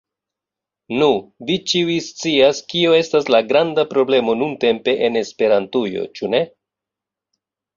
Nu, vi ĉiuj scias kio estas la granda problemo nuntempe en Esperantujo, ĉu ne?